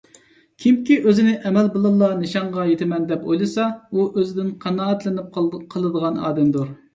كىمكى ئۆزىنى ئەمەل بىلەنلا نىشانغا يېتىمەن، دەپ ئويلىسا ئۇ ئۆزىدىن قانائەتلىنىپ قالىدىغان ئادەمدۇر.